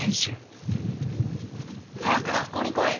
早く学校に来い。